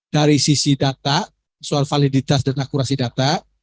dari sisi data soal validitas dan akurasi data